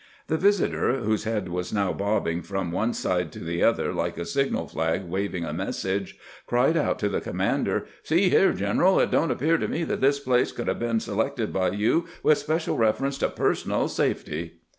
The visitor, whose head was now bobbing from one side to the other like a signal flag waving a message, cried out to the commander :" See here, general ; it don't appear to me that this place could have been selected by you with special reference to personal safety."